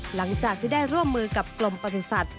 หลังจากที่ได้ร่วมมือกับกรมประสุทธิ์